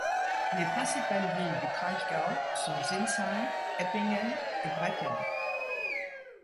Les principales villes du Kraichgau sont Sinsheim, Eppingen et Bretten.